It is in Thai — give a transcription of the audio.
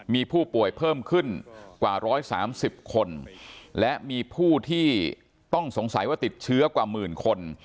มีผู้ป่วยเพิ่มขึ้นกว่า๑๓๐คนและมีผู้ที่ต้องสงสัยว่าติดเชื้อกว่าหมื่นคน